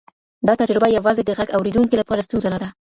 دا تجربه یوازې د غږ اورېدونکي لپاره ستونزه نه ده.